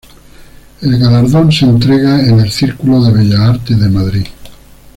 El galardón se entrega en el Círculo de Bellas Artes de Madrid.